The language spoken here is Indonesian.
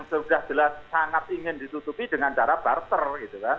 sudah jelas sangat ingin ditutupi dengan cara barter gitu kan